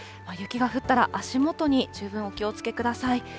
雪が降ったら足元に十分お気をつけください。